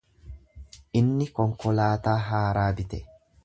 Inni konkolaataa haaraa bite.